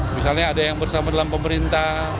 misalnya ada yang bersama dalam pemerintah